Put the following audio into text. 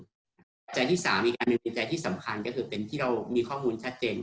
ปัจจัยที่๓อีกอันหนึ่งจิตใจที่สำคัญก็คือเป็นที่เรามีข้อมูลชัดเจน